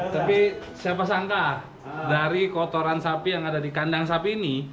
tapi siapa sangka dari kotoran sapi yang ada di kandang sapi ini